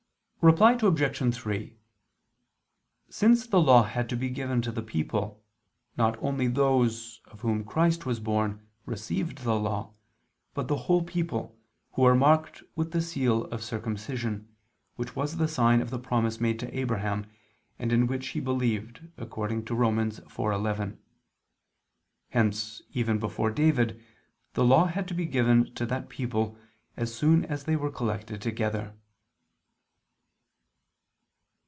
Reply Obj. 3: Since the Law had to be given to the people, not only those, of whom Christ was born, received the Law, but the whole people, who were marked with the seal of circumcision, which was the sign of the promise made to Abraham, and in which he believed, according to Rom. 4:11: hence even before David, the Law had to be given to that people as soon as they were collected together.